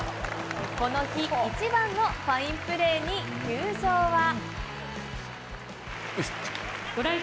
この日、一番のファインプレーに球場は。